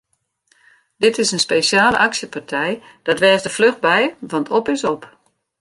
Dit is in spesjale aksjepartij, dat wês der fluch by want op is op!